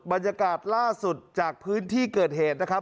บรรยากาศล่าสุดจากพื้นที่เกิดเหตุนะครับ